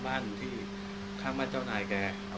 มาที่บ้านเจ้านายเก่า